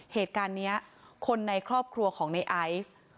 เหตุการณ์นี้คนในครอบครัวของในไอซ์